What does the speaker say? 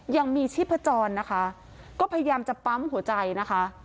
ยังมีชีพจรนะคะก็พยายามจะปั๊มหัวใจนะคะ